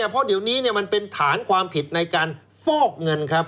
เพราะเดี๋ยวนี้มันเป็นฐานความผิดในการฟอกเงินครับ